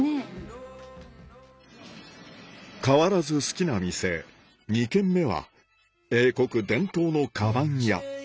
変わらず好きな店２軒目は英国伝統のかばん屋